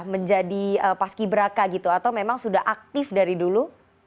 menjadi paski beraka gitu atau memang sudah aktif dari dulu